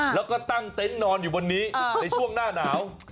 แล้วก็ตั้งเต็นต์นอนอยู่บนนี้ในช่วงหน้าหนาว